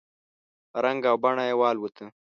رنګ او بڼه یې والوتله !